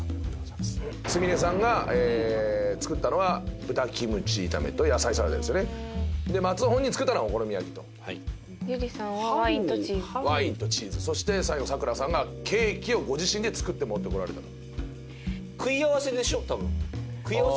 スミレさんが作ったのは豚キムチ炒めと野菜サラダですよねで松尾本人作ったのはお好み焼きとユリさんはワインとチーズワインとチーズそして最後サクラさんがケーキをご自身で作って持ってこられたと多分食い合わせじゃないの？